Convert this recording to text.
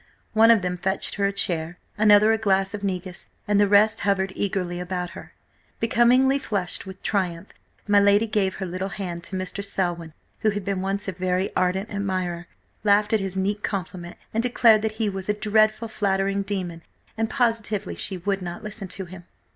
One of them fetched her a chair, another a glass of negus, and the rest hovered eagerly about her. Becomingly flushed with triumph, my lady gave her little hand to Mr. Selwyn, who had been once a very ardent admirer, laughed at his neat compliment, and declared that he was a dreadful flattering demon, and positively she would not listen to him!